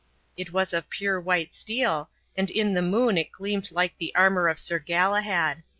It was of pure white steel, and in the moon it gleamed like the armour of Sir Galahad.